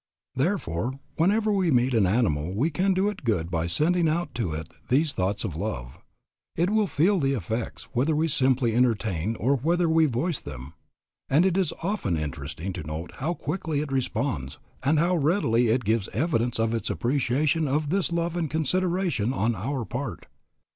Therefore whenever we meet an animal we can do it good by sending out to it these thoughts of love. It will feel the effects whether we simply entertain or whether we voice them. And it is often interesting to note how quickly it responds, and how readily it gives evidence of its appreciation of this love and consideration on our part.